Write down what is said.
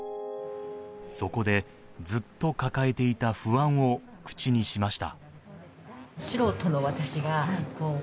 そこでずっと抱えていた不安を口にしました。